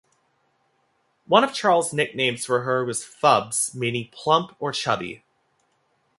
One of Charles nicknames for her was 'Fubbs', meaning plump or chubby.